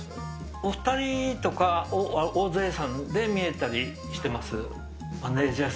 お２人とか、大勢さんで見えたりしてます。